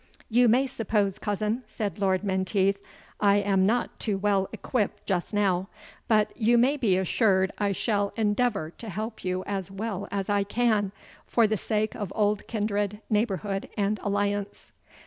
"You may suppose, cousin," said Lord Menteith, "I am not too well equipt just now; but you may be assured I shall endeavour to help you as well as I can, for the sake of old kindred, neighbourhood, and alliance."